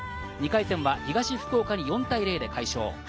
２回戦は東福岡に４対０で快勝。